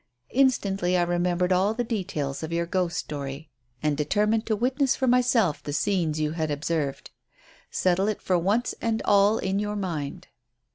Instantly I remembered all the details of your ghost story, and determined to witness for myself the scenes you had observed. Settle it for once and all in your mind.